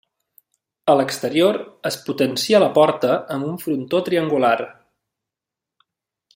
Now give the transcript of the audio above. A l'exterior es potencia la porta amb un frontó triangular.